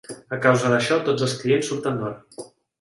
A causa d'això, tots els clients surten d'hora.